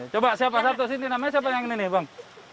coba siapa satu sini namanya siapa yang ini nih bang